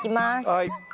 はい。